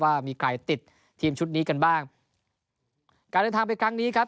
ว่ามีใครติดทีมชุดนี้กันบ้างการเดินทางไปครั้งนี้ครับ